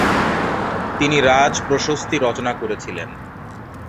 তিনি রাজপ্রশস্তি রচনা করেছিলেন।